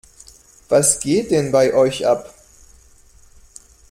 Was geht denn bei euch ab?